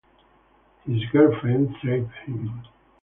His girlfriend saved him.